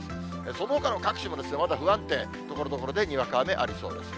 そのほかの各地もまだ不安定、ところどころでにわか雨ありそうです。